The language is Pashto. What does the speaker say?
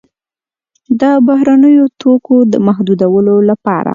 د بهرنیو توکو د محدودولو لپاره.